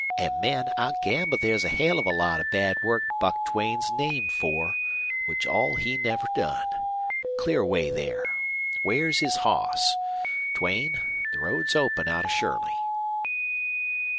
And, men, I'll gamble there's a hell of a lot of bad work Buck Duane's named for which all he never done. Clear away there. Where's his hoss? Duane, the road's open out of Shirley."